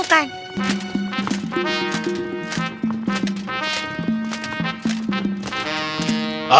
tidak ada yang bisa kau lakukan